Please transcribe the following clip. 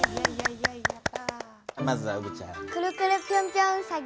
まずはうぶちゃん。